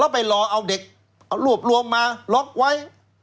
แล้วไปรวกดเด็กรวบมาล็อคไว้